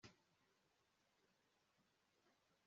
john arimo gushaka igitabo kivuga ku mateka y'ubuyapani